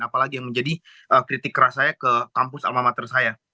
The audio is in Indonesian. apalagi yang menjadi kritik keras saya ke kampus alma mater saya